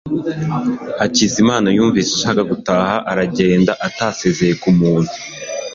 Hakizamana yumvise ashaka gutaha aragenda atasezeye kumuntu.